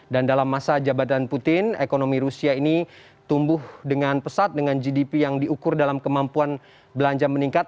dalam masa jabatan putin ekonomi rusia ini tumbuh dengan pesat dengan gdp yang diukur dalam kemampuan belanja meningkat